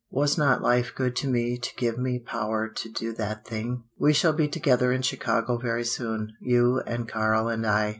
Was not life good to me to give me power to do that thing? "We shall be together in Chicago very soon you and Karl and I.